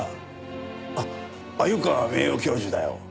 あっ鮎川名誉教授だよ。